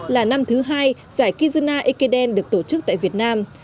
hai nghìn một mươi chín là năm thứ hai giải kizuna ekiden được tổ chức tại việt nam